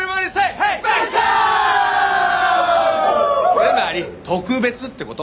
つまり特別ってこと。